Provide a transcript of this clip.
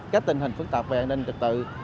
các tình hình phức tạp về an ninh trật tự